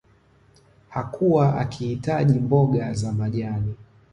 Hakuwa akihitaji mboga za majani